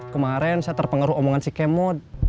kemarin saya terpengaruh omongan si kemo